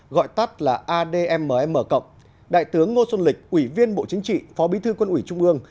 gọi tắt là admm đại tướng ngô xuân lịch ủy viên bộ chính trị phó bí thư quân ủy trung ương